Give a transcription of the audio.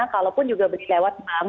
kalaupun juga lewat bank